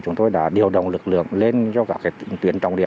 chúng tôi đã điều động lực lượng lên cho các tuyến trọng điểm